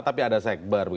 tapi ada sekber